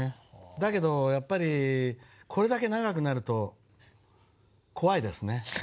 だけどやっぱりこれだけ長くなると怖いですね。